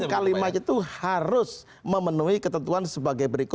kalimat itu harus memenuhi ketentuan sebagai berikut